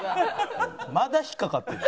まだ引っかかってる。